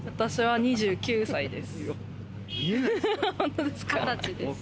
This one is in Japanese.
２０歳です。